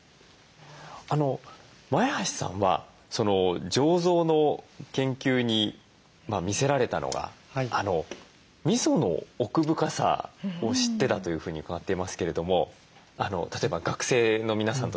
前橋さんは醸造の研究に魅せられたのがみその奥深さを知ってだというふうに伺っていますけれども例えば学生の皆さんとですね